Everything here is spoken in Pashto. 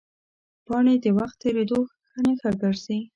پاڼې د وخت تېرېدو نښه ګرځي